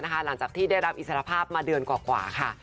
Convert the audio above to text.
หลังจากที่ได้รับอิสรภาพมาเดือนกว่าค่ะ